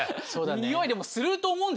ニオイでもすると思うんですよ